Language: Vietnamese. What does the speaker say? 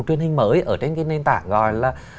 truyền hình mới ở trên cái nền tảng gọi là